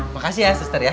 makasih ya suster ya